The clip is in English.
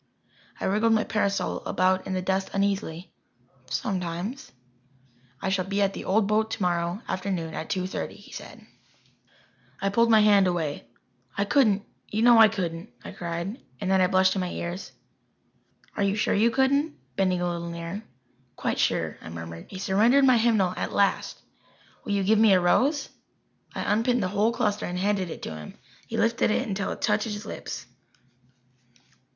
I wriggled my parasol about in the dust uneasily. "Sometimes." "I shall be at the old boat tomorrow afternoon at two thirty," he said. I pulled my hand away. "I couldn't you know I couldn't," I cried and then I blushed to my ears. "Are you sure you couldn't?" bending a little nearer. "Quite sure," I murmured. He surrendered my hymnal at last. "Will you give me a rose?" I unpinned the whole cluster and handed it to him. He lifted it until it touched his lips.